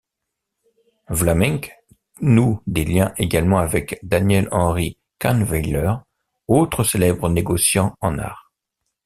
Vlaminck noue des liens également avec Daniel-Henry Kahnweiler, autre célèbre négociant en art.